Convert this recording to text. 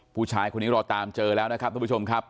ผู้ชายคนนี้เราตามเจอแล้วนะครับทุกผู้ชมครับ